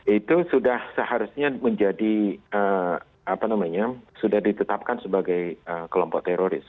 itu sudah seharusnya menjadi apa namanya sudah ditetapkan sebagai kelompok teroris